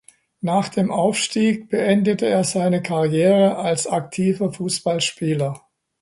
Nach dem Aufstieg beendete er seine Karriere als aktiver Fußballspieler.